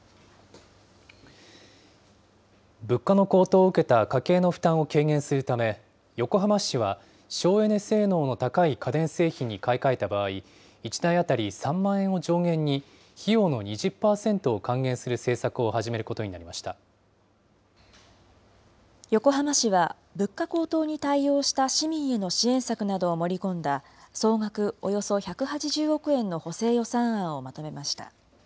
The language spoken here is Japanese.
物価の高騰を受けた家計の負担を軽減するため、横浜市は、省エネ性能の高い家電製品に買い替えた場合、１台当たり３万円を上限に費用の２０％を還元する政策を始めるこ横浜市は、物価高騰に対応した市民への支援策などを盛り込んだ総額およそ１８０億円の補正予算案をまとめました。